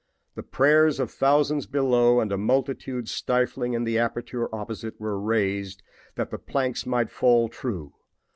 The prayers of thousands below and a multitude stifling in the aperture opposite were raised that the planks might fall true.